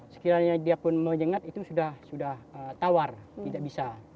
sekiranya dia pun menyengat itu sudah tawar tidak bisa